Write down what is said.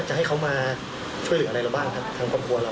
จะให้เขามาช่วยเหลืออะไรเราบ้างครับทางครอบครัวเรา